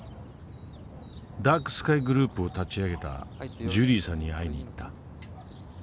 ダークスカイグループを立ち上げたジュリーさんに会いに行った。